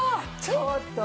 ちょっと！